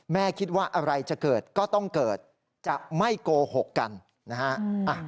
คิดว่าอะไรจะเกิดก็ต้องเกิดจะไม่โกหกกันนะฮะ